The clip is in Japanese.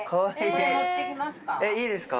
いいですか！